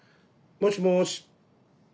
もしもし。